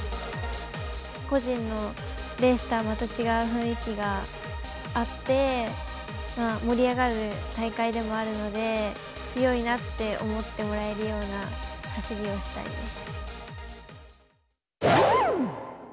個人のレースとはまた違う雰囲気があって、盛り上がる大会でもあるので、強いなって思ってもらえるような走りをしたいです。